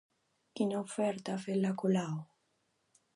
Quina oferta ha fet a Colau?